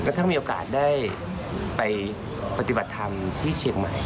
ทั้งมีโอกาสได้ไปปฏิบัติธรรมที่เชียงใหม่